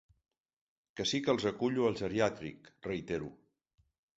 Que sí que els acullo al geriàtric, reitero.